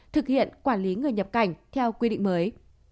thực hiện quản lý người nhập cảnh theo quy định mới